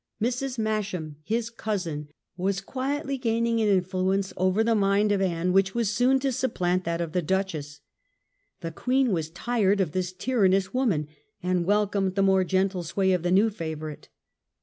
Mrs. Masham, his cousin, was quietly gaining an influence over •*•* j^ the mind of Anne which was soon to supplant ^^''*"' that of the duchess. The queen was tired of this tyrannous woman, and welcomed the more gentle sway of the new favourite.